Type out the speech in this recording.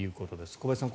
小林さん